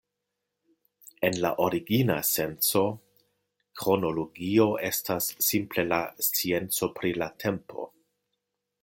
En la origina senco kronologio estas simple la scienco pri la tempo.